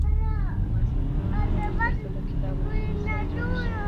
افغانستان تر هغو نه ابادیږي، ترڅو د کتاب لوستلو سیالۍ جوړې نشي.